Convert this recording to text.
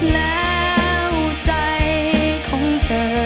แล้วใจของเธอจะเปลี่ยนไป